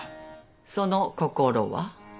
その心は？